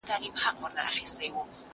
زه مخکي سبزیجات تيار کړي وو!.